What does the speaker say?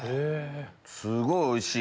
すごいおいしい！